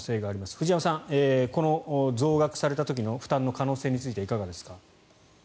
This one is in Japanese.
藤山さん、この増額された時の負担の可能性についてはいかがですか？